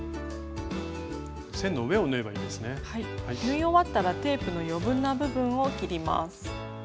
縫い終わったらテープの余分な部分を切ります。